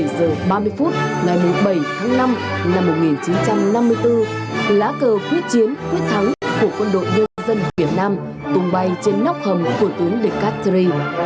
một mươi bảy giờ ba mươi phút ngày bảy tháng năm năm một nghìn chín trăm năm mươi bốn lá cờ quyết chiến quyết thắng của quân đội đơn dân việt nam tung bay trên nóc hầm của tướng descartes